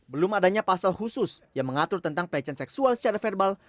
belum adanya pasal khusus yang mengatur tentang pelecehan seksual secara verbal